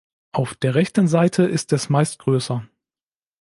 Auf der rechten Seite ist es meist größer.